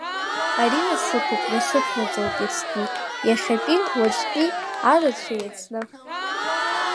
Ари насыԥуп, насыԥ наӡоуп, иацтәи, иахьатәи, уаҵәтәи анацәа еицны…